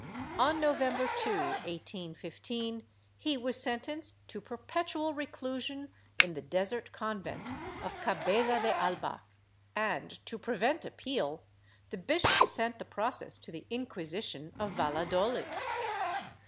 On November 2, 1815, he was sentenced to perpetual reclusion in the desert convent of Cabeza de Alba and, to prevent appeal, the bishop sent the process to the Inquisition of Valladolid.